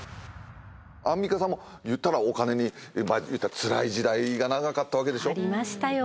アンミカさんも言ったらお金につらい時代が長かったわけでしょ？ありましたよ。